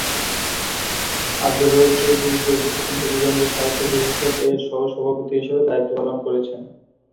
আব্দুর রউফ চৌধুরী প্রগতিশীল হবিগঞ্জ সাহিত্য পরিষদের এর সহ সভাপতি হিসেবে দায়িত্ব পালন করেছেন।